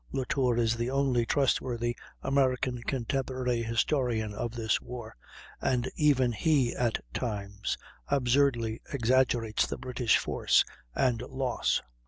Latour is the only trustworthy American contemporary historian of this war, and even he at times absurdly exaggerates the British force and loss.